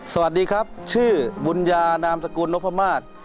สวัสดีครับชื่อบุญญานามสกุลนพมาศ